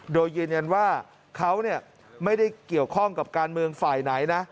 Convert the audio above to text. โดยยืนยันว่าเขาไม่ได้เกี่ยวข้องกับการเมืองฝ่ายไหนนะ